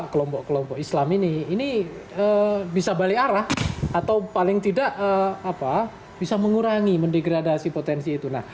kelompok kelompok islam ini ini bisa balik arah atau paling tidak bisa mengurangi mendegradasi potensi itu